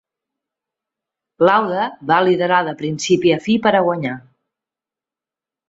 Lauda va liderar de principi a fi per a guanyar.